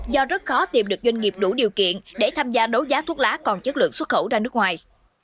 do rất khó tìm được doanh nghiệp đủ điều kiện để tham gia đấu giá thuốc lá còn chất lượng xuất khẩu ra nước ngoài